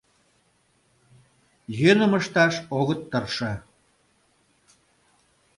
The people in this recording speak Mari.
— Йӧным ышташ огыт тырше.